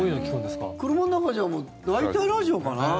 車の中じゃ大体ラジオかな。